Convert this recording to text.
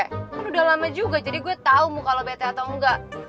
kan udah lama juga jadi gue tau muka lo bete atau enggak